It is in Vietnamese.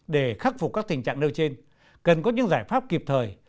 để khắc phục các tình trạng nơi trên cần có những giải pháp kịp thời